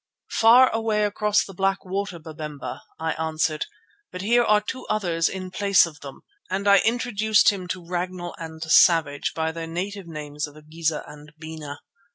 "Far away across the Black Water, Babemba," I answered. "But here are two others in place of them," and I introduced him to Ragnall and Savage by their native names of Igeza and Bena.